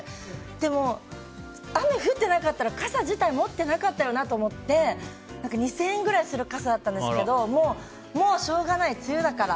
でも、雨降ってなかったら傘自体持ってなかったろうなと思って２０００円ぐらいする傘だったんですけどもう、しょうがない、梅雨だから。